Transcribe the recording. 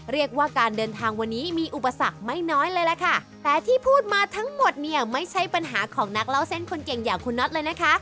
เรียกว่าการเดินทางวันนี้มีอุปสรรคไม่น้อยเลยล่ะค่ะแต่ที่พูดมาทั้งหมดเนี่ยไม่ใช่ปัญหาของนักเล่าเส้นคนเก่งอย่างคุณน็อตเลยนะคะ